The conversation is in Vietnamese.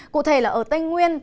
cụ thể là ở tây nguyên